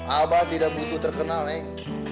abah tidak butuh terkenal nih